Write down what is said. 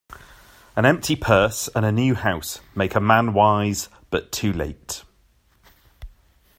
An empty purse, and a new house, make a man wise, but too late.